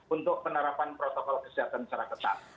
untuk penerapan protokol kesehatan secara ketat